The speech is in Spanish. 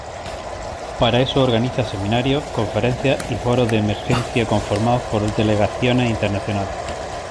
Para eso organiza seminarios, conferencias y foros de emergencia conformados por delegaciones internacionales.